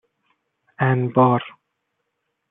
انبار